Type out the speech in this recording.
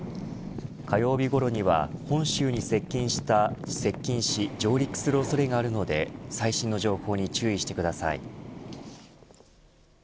火曜日ごろには本州に接近し上陸する恐れがあるので最新の情報に注意してください。